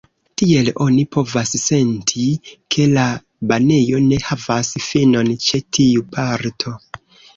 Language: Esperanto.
Tiel oni povas senti, ke la banejo ne havas finon ĉe tiu parto.